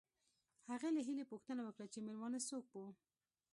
هغې له هیلې پوښتنه وکړه چې مېلمانه څوک وو